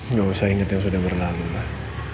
nggak usah inget yang sudah berlalu lah